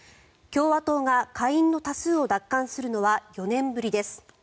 共和党が下院の多数を奪還するのは４年ぶりです。